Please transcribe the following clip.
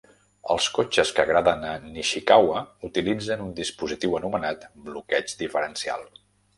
Els cotxes que agraden a Nishikawa utilitzen un dispositiu anomenat bloqueig diferencial.